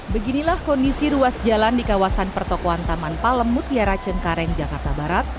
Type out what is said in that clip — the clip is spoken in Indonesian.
beginilah kondisi ruas jalan di kawasan pertokohan taman palem mutiara cengkareng jakarta barat